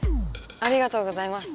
ありがとうございます！